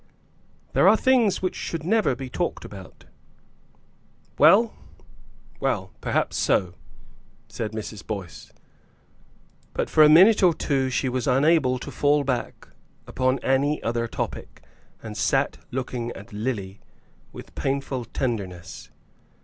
"There are things which should never be talked about." "Well, well; perhaps so," said Mrs. Boyce. But for a minute or two she was unable to fall back upon any other topic, and sat looking at Lily with painful tenderness.